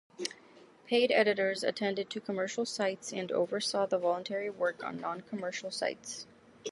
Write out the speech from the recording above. Paid editors attended to commercial sites and oversaw the voluntary work on non-commercial sites.